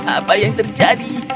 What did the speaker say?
apa yang terjadi